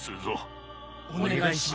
お願いします。